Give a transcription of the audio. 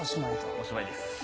おしまいです。